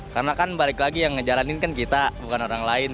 karena kan balik lagi yang ngejalanin kan kita bukan orang lain